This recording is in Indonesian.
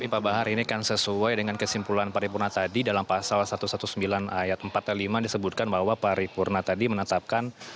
tapi pak bahar ini kan sesuai dengan kesimpulan pak ripurna tadi dalam pasal satu ratus sembilan belas ayat empat dan lima disebutkan bahwa pak ripurna tadi menetapkan